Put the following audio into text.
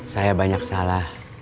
saya banyak salah